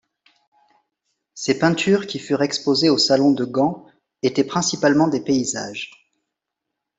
Ses peintures qui furent exposées au Salon de Gand étaient principalement des paysages.